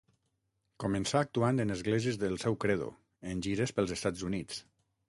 Començà actuant en esglésies del seu credo, en gires pels Estats Units.